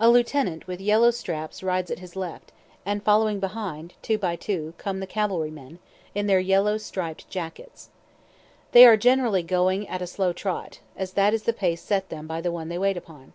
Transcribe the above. A lieutenant, with yellow straps, rides at his left, and following behind, two by two, come the cavalry men, in their yellow striped jackets. They are generally going at a slow trot, as that is the pace set them by the one they wait upon.